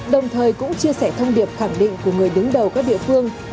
đồng thời cũng chia sẻ thông điệp khẳng định của người đứng đầu các địa phương